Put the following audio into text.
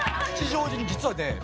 吉祥寺に実はね